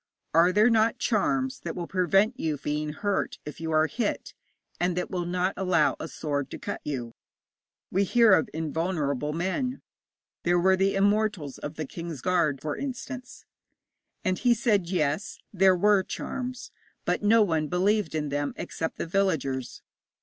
'Are there not charms that will prevent you being hurt if you are hit, and that will not allow a sword to cut you? We hear of invulnerable men. There were the Immortals of the King's Guard, for instance.' And he said, yes, there were charms, but no one believed in them except the villagers.